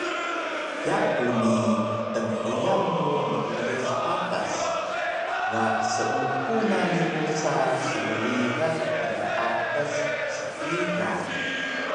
Yaku ni tnhiyan mu meuyas patas ga seupu nami musa sbrigan ptpatas shiga